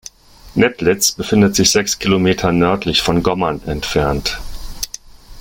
Nedlitz befindet sich sechs Kilometer nördlich von Gommern entfernt.